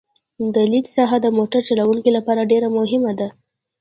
د لید ساحه د موټر چلوونکي لپاره ډېره مهمه ده